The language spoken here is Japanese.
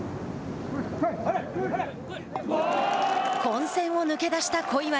混戦を抜け出した小祝。